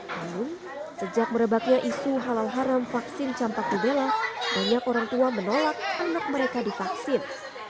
namun sejak merebaknya isu halal haram vaksin campak rubella banyak orang tua menolak anak mereka divaksin